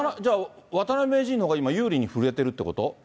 渡辺名人のほうが、今、有利に振れてるってこと？